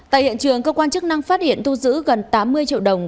tại hiện trường công an chức năng phát hiện thu giữ gần tám mươi triệu đồng